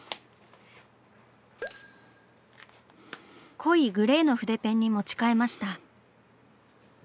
濃いグレーの筆ペンに持ち替えました。